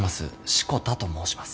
志子田と申します。